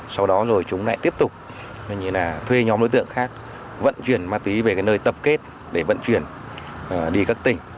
sau đó rồi chúng lại tiếp tục thuê nhóm đối tượng khác vận chuyển ma túy về nơi tập kết để vận chuyển đi các tỉnh